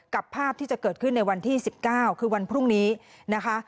ภาพที่จะเกิดขึ้นในวันที่๑๙คือวันพรุ่งนี้นะคะ